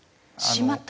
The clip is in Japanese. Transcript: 「しまった！